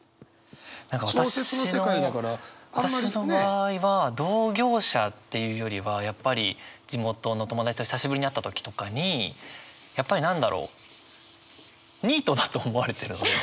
私の場合は同業者っていうよりはやっぱり地元の友達と久しぶりに会った時とかにやっぱり何だろうニートだと思われてるので。